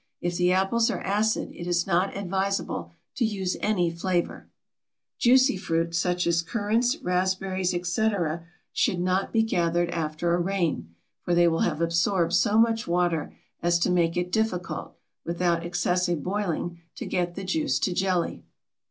If the apples are acid it is not advisable to use any flavor. Juicy fruits, such as currants, raspberries, etc., should not be gathered after a rain, for they will have absorbed so much water as to make it difficult, without excessive boiling, to get the juice to jelly.